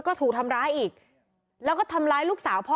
ก็ถูกทำร้ายอีกแล้วก็ทำร้ายลูกสาวพ่อ